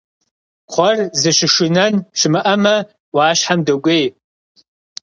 Кхъуэр зыщышынэн щымыӀэмэ, Ӏуащхьэм докӀуей.